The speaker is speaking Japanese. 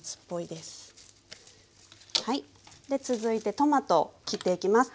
で続いてトマト切っていきます。